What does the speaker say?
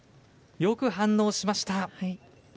よく反応しました。